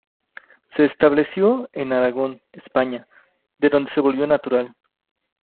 Se estableció en Aragón, España, de donde se volvió natural.